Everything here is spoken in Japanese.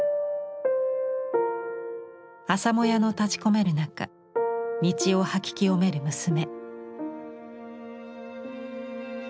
朝もやの立ちこめる中道を掃き清める娘。